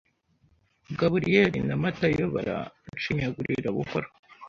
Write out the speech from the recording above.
Gaburiyei na matayo baranshinyagurira buhoro